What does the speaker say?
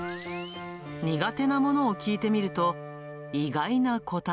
苦手なものを聞いてみると、意外な答え。